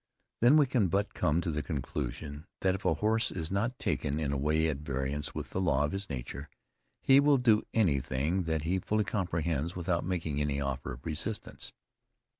Then, we can but come to the conclusion, that if a horse is not taken in a way at variance with the law of his nature, he will do anything that he fully comprehends without making any offer of resistance.